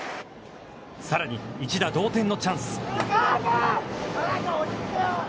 さらに一打同点のチャンス。